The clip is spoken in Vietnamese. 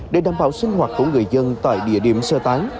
để đảm bảo sinh hoạt của người dân tại địa điểm sơ tán